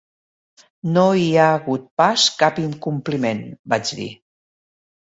"No hi ha hagut pas cap incompliment", vaig dir.